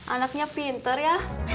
anaknya pinter ya